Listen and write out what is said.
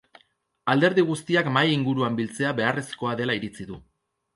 Alderdi guztiak mahai inguruan biltzea beharrezkoa dela iritzi du.